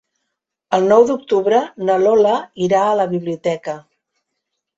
El nou d'octubre na Lola irà a la biblioteca.